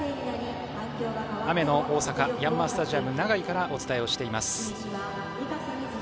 雨の大阪ヤンマースタジアム長居からお伝えをしています。